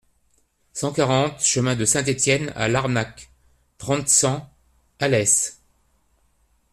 cent quarante chemin de Saint-Etienne à Larnac, trente, cent, Alès